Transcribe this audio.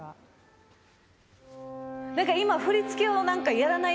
何か今。